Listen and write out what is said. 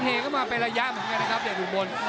เขี้ยงเขก็มาไประยะไหมไงนะครับเด็ดอุบล